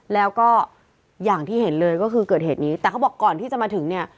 แล้วก็อย่างที่เห็นเลยก็คือเกิดเหตุนี้แต่เขาบอกก่อนที่จะมาถึงเนี่ย